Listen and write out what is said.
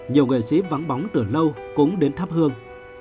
nhiều nghệ sĩ vắng bóng từ lâu cũng đến thắp hương